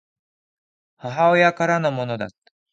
母親からのものだった